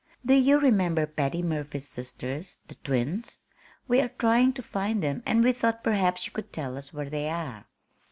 "Do you remember Patty Murphy's sisters, the twins? We are trying to find them, and we thought perhaps you could tell us where they are."